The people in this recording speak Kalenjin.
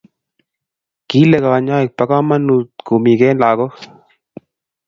Kile kanyaik ba kamanut kumik en lakok